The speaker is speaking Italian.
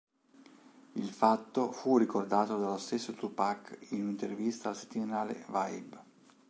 Il fatto fu ricordato dallo stesso Tupac in un'intervista al settimanale "Vibe".